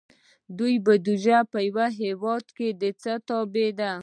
دولت بودیجه په یو هیواد کې د څه تابع ده؟